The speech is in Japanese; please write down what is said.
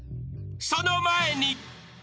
［その前に］